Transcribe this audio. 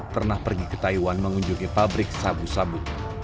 pernah pergi ke taiwan mengunjungi pabrik sabu sabu